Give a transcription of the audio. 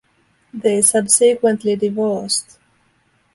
They subsequently divorced.